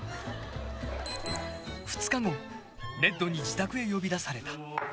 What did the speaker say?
レッドに自宅へ呼び出された。